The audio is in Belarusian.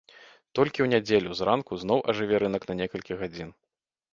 Толькі ў нядзелю з ранку зноў ажыве рынак на некалькі гадзін.